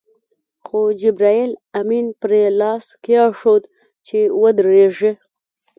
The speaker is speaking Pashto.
خو جبرائیل امین پرې لاس کېښود چې ودرېږي.